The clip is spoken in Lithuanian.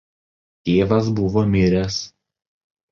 Tėvas buvo miręs.